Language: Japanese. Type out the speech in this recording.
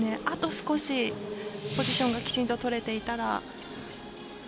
あと少し、ポジションがきちんととれていたら。